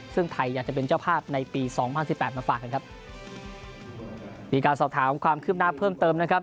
ซึ่งไทยอยากจะเป็นเจ้าภาพในปีสองพันสิบแปดมาฝากกันครับมีการสอบถามความคืบหน้าเพิ่มเติมนะครับ